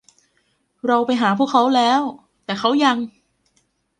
เราไปหาพวกเขาแล้ว แต่เขายัง